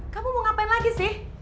kamu mau ngapain lagi sih